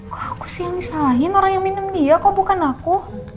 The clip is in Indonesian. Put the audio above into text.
kok aku sih yang disalahin orang yang minum dia kok bukan aku